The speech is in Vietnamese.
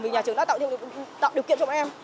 vì nhà trường đã tạo điều kiện cho các em